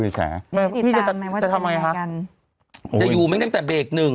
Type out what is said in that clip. จะอยู่ไม่ต้องแต่เบรกหนึ่ง